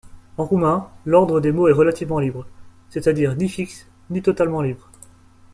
En roumain, l'ordre des mots est relativement libre, c'est-à-dire ni fixe ni totalement libre.